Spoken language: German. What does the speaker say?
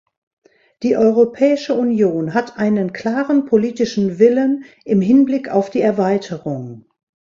Die Europäische Union hat einen klaren politischen Willen im Hinblick auf die Erweiterung.